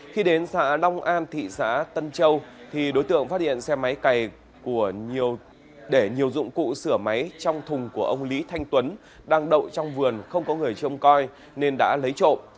khi đến xã long an thị xã tân châu thì đối tượng phát hiện xe máy cày để nhiều dụng cụ sửa máy trong thùng của ông lý thanh tuấn đang đậu trong vườn không có người trông coi nên đã lấy trộm